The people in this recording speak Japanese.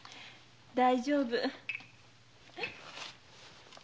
大丈夫。